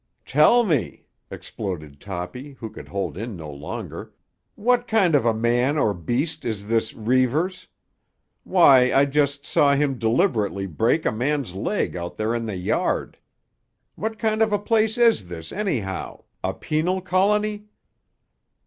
"Tell me!" exploded Toppy, who could hold in no longer. "What kind of a man or beast is this Reivers? Why, I just saw him deliberately break a man's leg out there in the yard! What kind of a place is this, anyhow—a penal colony?"